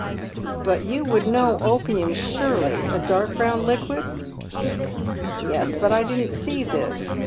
" But you would know opium, surely, a dark brown liquid ?"" Yes, but I didn't see this.